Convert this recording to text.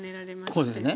こうですね。